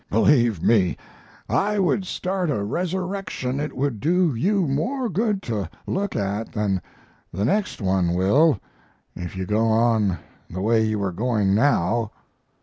Believe me, I would start a resurrection it would do you more good to look at than the next one will, if you go on the way you are going now.